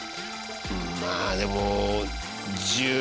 まあでも。